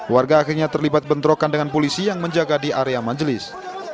warga akhirnya terlibat bentrokan dengan polisi yang menjaga di area majelis